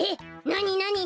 なになに？